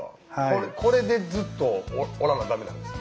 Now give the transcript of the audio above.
これでずっとおらなダメなんですか？